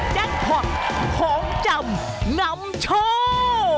แจ็คพอตของจำนำโชว์